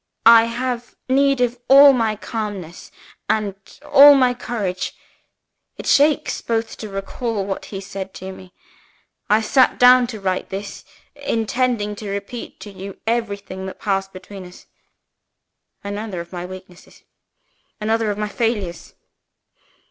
I have need of all my calmness and all my courage. It shakes both to recall what he said to me. I sat down to write this, intending to repeat to you everything that passed between us. Another of my weaknesses! another of my failures!